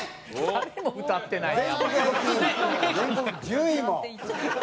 誰も歌ってへん。